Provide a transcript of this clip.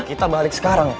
kita balik sekarang